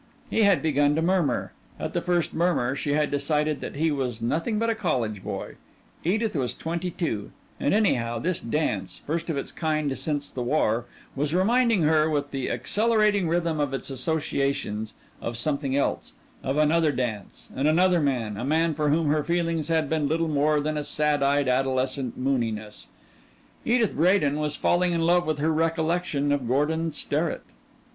He had begun to murmur. At the first murmur she had decided that he was nothing but a college boy Edith was twenty two, and anyhow, this dance, first of its kind since the war, was reminding her, with the accelerating rhythm of its associations, of something else of another dance and another man, a man for whom her feelings had been little more than a sad eyed, adolescent mooniness. Edith Bradin was falling in love with her recollection of Gordon Sterrett.